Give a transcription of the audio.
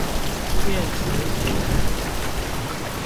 電磁學